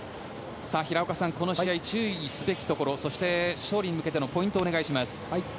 平岡さん、この試合注意すべきところそして勝利に向けてのポイントをお願いします。